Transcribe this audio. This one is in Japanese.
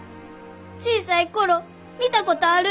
小さい頃見たことある！